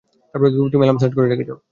তুমি alarm set করে রেখেছ?